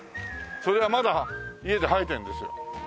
それがまだ家で生えてんですよ。